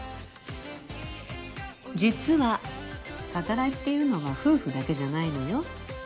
実はカタライっていうのは夫婦だけじゃないのよ。